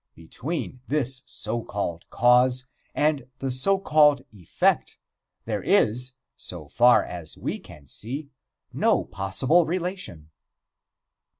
Between this so called cause and the so called effect there is, so far as we can see, no possible relation.